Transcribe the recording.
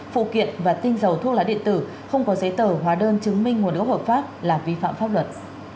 phụ kiện và tinh dầu thuốc lá điện tử không có giấy tờ hóa đơn chứng minh nguồn gốc hợp pháp là vi phạm pháp luật